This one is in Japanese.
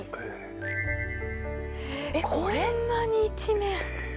えっこんなに一面。